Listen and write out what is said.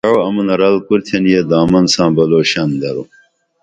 گعئو امونہ رل کُرتھئین یہ دامن ساں بول شن درو